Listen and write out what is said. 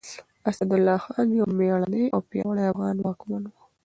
اسدالله خان يو مېړنی او پياوړی افغان واکمن و.